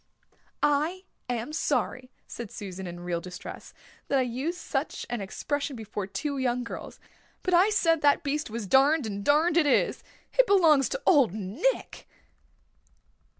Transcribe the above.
"I am sorry," said Susan in real distress, "that I used such an expression before two young girls. But I said that beast was darned, and darned it is. It belongs to Old Nick."